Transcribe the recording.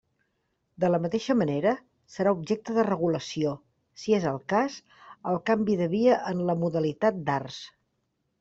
De la mateixa manera, serà objecte de regulació, si és el cas, el canvi de via en la modalitat d'Arts.